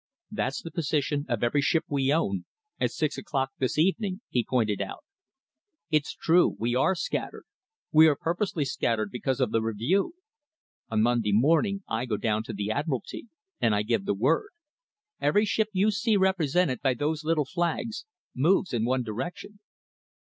"That's the position of every ship we own, at six o'clock this evening," he pointed out. "It's true we are scattered. We are purposely scattered because of the Review. On Monday morning I go down to the Admiralty, and I give the word. Every ship you see represented by those little flags, moves in one direction."